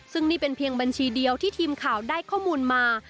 ซึ่งนี่เป็นเพียงบัญชีเดียวที่ทีมข่าวได้ข้อมูลมา